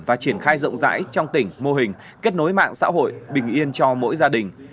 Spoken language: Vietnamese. và triển khai rộng rãi trong tỉnh mô hình kết nối mạng xã hội bình yên cho mỗi gia đình